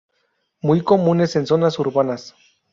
Muy comunes en zonas urbanas.